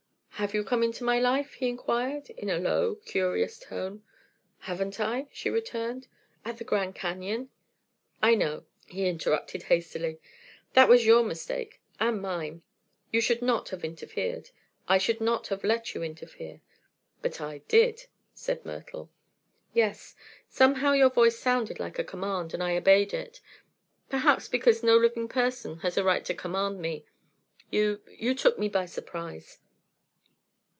"Have you come into my life?" he inquired, in a low, curious tone. "Haven't I?" she returned. "At the Grand Canyon " "I know," he interrupted hastily. "That was your mistake; and mine. You should not have interfered. I should not have let you interfere." "But I did," said Myrtle. "Yes. Somehow your voice sounded like a command, and I obeyed it; perhaps because no living person has a right to command me. You you took me by surprise."